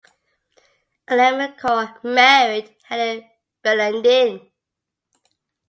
Clement Cor married Helen Bellenden.